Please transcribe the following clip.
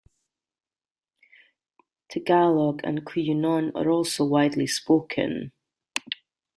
Tagalog and Cuyonon are also widely spoken.